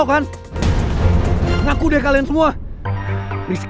apa jangan tuh languages sama weeran